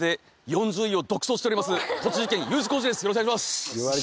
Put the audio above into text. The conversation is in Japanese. よろしくお願いします。